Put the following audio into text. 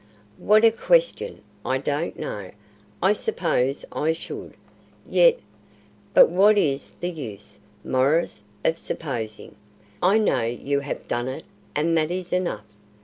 "What a question! I don't know. I suppose I should; yet but what is the use, Maurice, of supposing? I know you have done it, and that is enough.